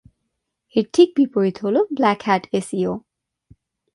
এর ঠিক বিপরীত হোল ব্ল্যাক হ্যাট এস ই ও।